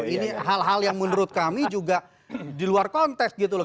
ini hal hal yang menurut kami juga di luar konteks gitu loh